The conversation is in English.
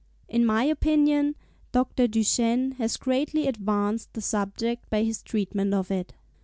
In my opinion, Dr. Duchenne has greatly advanced the subject by his treatment of it.